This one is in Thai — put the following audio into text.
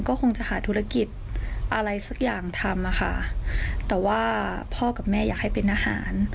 ก็คงจะหาธุรกิจอะไรสักอย่างทำอ่ะค่ะแต่ว่าพ่อกับแม่อยากให้เป็นอาหาร